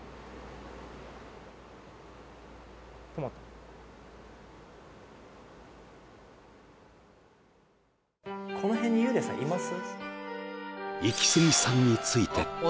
止まったこの辺に幽霊さんいます？